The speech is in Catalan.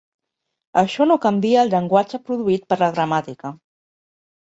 Això no canvia el llenguatge produït per la gramàtica.